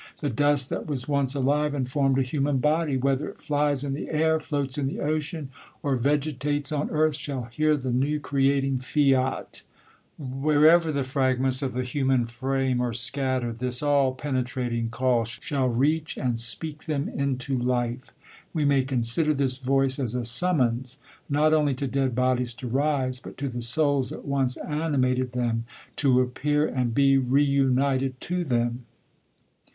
The dust that was once Slivc and formed a human body, whether it Qies in the an , floats in the ocean, or vegetates on earth, shall hear the new creating fiat. Wherever the fragments oi the human frame are scattered, this all penetrating ca Siia; THE COLUMBIAN ORATOR. 99 shall reacii and ^pcak thorn into life. We iiiay con sider this voice as a summons not only to dead bodies to rise, but to the souls that once animated them, to ap pear and be re united to them.